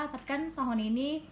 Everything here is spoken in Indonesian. tapi kan tahun ini